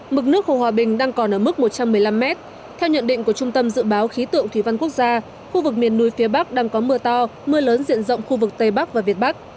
mực nước hồ hòa bình đang còn ở mức một trăm một mươi năm m theo nhận định của trung tâm dự báo khí tượng thủy văn quốc gia khu vực miền núi phía bắc đang có mưa to mưa lớn diện rộng khu vực tây bắc và việt bắc